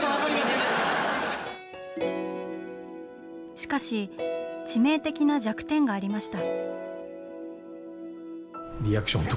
しかし、致命的な弱点がありました。